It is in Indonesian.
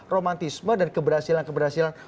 romantisme dan keberhasilan keberhasilan